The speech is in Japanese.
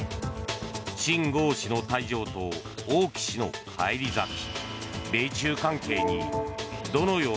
シン・ゴウ氏の退場と王毅氏の返り咲き。